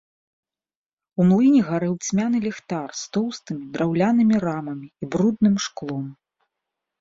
У млыне гарэў цьмяны ліхтар з тоўстымі драўлянымі рамамі і брудным шклом.